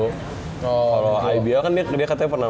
kalau ibl kan dia katanya pernah